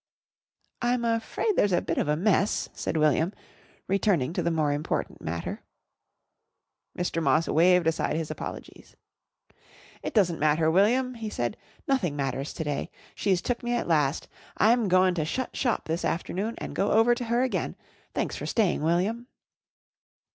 "I'm afraid there's a bit of a mess," said William, returning to the more important matter. Mr. Moss waved aside his apologies. "It doesn't matter, William," he said. "Nothing matters to day. She's took me at last. I'm goin' to shut shop this afternoon and go over to her again. Thanks for staying, William."